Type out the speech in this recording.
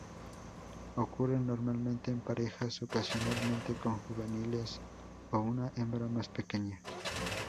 Ocurren normalmente en parejas, ocasionalmente con juveniles o una hembra más pequeña.